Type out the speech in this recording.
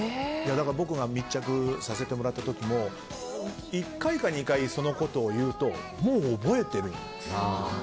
だから僕が密着させてもらった時も１回か２回、そのことを言うともう覚えてるんです。